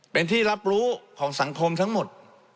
เป็นที่รับรู้ของสังคมทั้งหมด